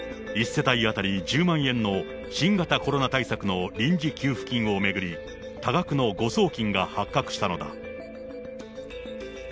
１世帯当たり１０万円の新型コロナ対策の臨時給付金を巡り、多額の誤送金が発覚したのだ。